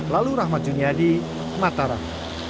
lalu rahmat juniadi mataram